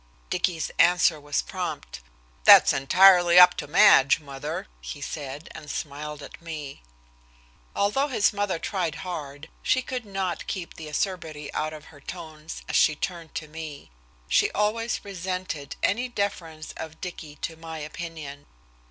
Dicky's answer was prompt. "That's entirely up to Madge, mother," he said, and smiled at me. Although his mother tried hard she could not keep the acerbity out of her tones as she turned to me. She always resented any deference of Dicky to my opinion.